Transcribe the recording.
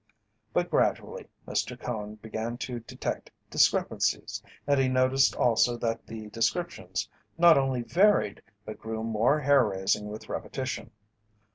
But, gradually, Mr. Cone began to detect discrepancies, and he noticed also that the descriptions not only varied but grew more hair raising with repetition.